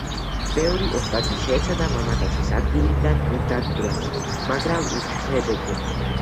ბევრი ოსტატი შეეცადა მამაკაცის ადგილიდან დაძვრას, მაგრამ უშედეგოდ.